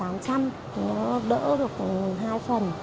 nó đỡ được hai phần